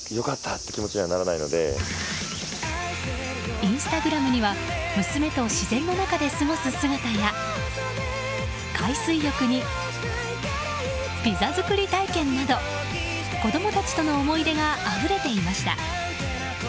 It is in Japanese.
インスタグラムには娘と自然の中で過ごす姿や海水浴に、ピザ作り体験など子供たちとの思い出があふれていました。